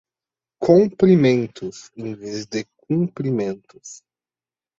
comprimentos em vez de cumprimentos